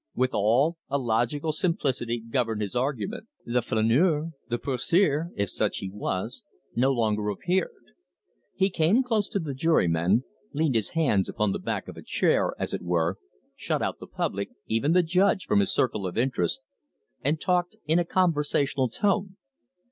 Withal, a logical simplicity governed his argument. The flaneur, the poseur if such he was no longer appeared. He came close to the jurymen, leaned his hands upon the back of a chair as it were, shut out the public, even the judge, from his circle of interest and talked in a conversational tone.